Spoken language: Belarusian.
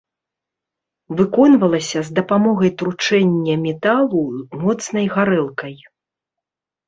Выконвалася з дапамогай тручэння металу моцнай гарэлкай.